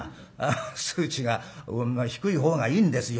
数値が低いほうがいいんですよ